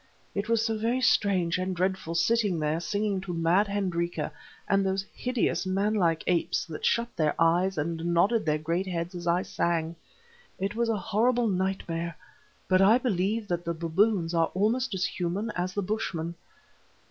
It was so very strange and dreadful sitting there singing to mad Hendrika and those hideous man like apes that shut their eyes and nodded their great heads as I sang. It was a horrible nightmare; but I believe that the baboons are almost as human as the Bushmen.